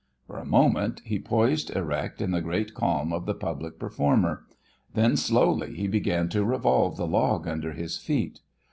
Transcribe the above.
For a moment he poised erect in the great calm of the public performer. Then slowly he began to revolve the log under his feet.